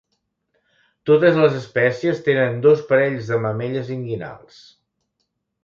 Totes les espècies tenen dos parells de mamelles inguinals.